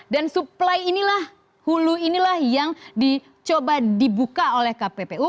dan supply inilah hulu inilah yang dicoba dibuka oleh kppu